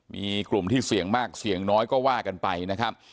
มีกลุ่มที่เสี่ยงมากเสี่ยงน้อยก็ว่ากันไปนะครับ